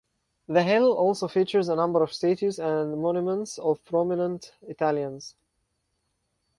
The hill also features a number of statues and monuments of prominent Italians.